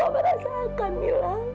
apa yang terjadi